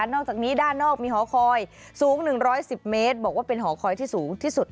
นอกจากนี้ด้านนอกมีหอคอยสูง๑๑๐เมตรบอกว่าเป็นหอคอยที่สูงที่สุด